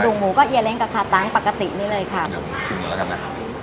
กระดูกหมูก็เอียดเลี้ยงกับขาตังค์ปกตินี่เลยครับเดี๋ยวชิมหมูแล้วกันนะ